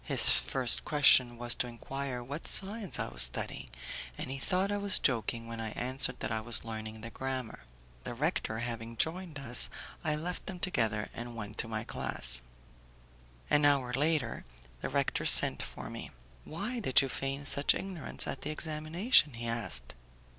His first question was to enquire what science I was studying, and he thought I was joking when I answered that I was learning the grammar. The rector having joined us, I left them together, and went to my class. An hour later, the rector sent for me. "Why did you feign such ignorance at the examination?" he asked.